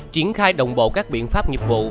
triển khai đồng bộ các biện pháp nhiệp vụ